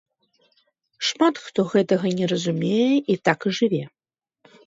Шмат хто гэтага не разумее, і так і жыве.